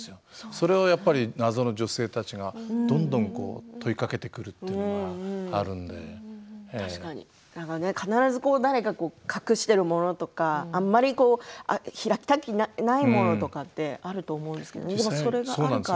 それをやっぱり謎の女性たちがどんどん問いかけてくる必ず誰か隠しているものとかあんまり開きたくないものとかあると思うんですけどそれがあるから。